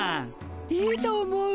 いいと思う！